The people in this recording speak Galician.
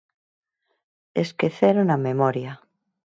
Esqueceron a memoria.